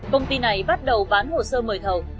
công ty này bắt đầu bán hồ sơ mời thầu